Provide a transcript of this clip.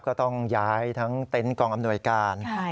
ก็ต้องย้ายทั้งเต็นต์กองอำนวยการ